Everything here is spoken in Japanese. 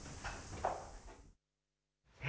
え？